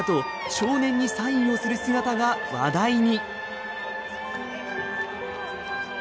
少年にサインをする姿が話題に。